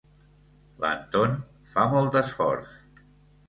L'Anton fa molt d'esforç.